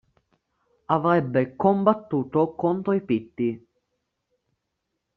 Avrebbe combattuto contro i pitti.